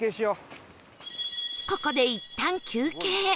ここでいったん休憩